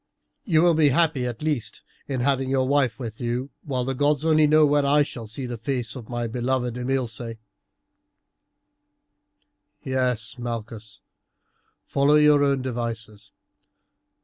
You will be happy at least in having your wife with you, while the gods only know when I shall see the face of my beloved Imilce. "Yes, Malchus, follow your own devices.